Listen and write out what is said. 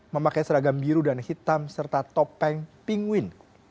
memakai seragam biru dan hitam serta topeng pingwin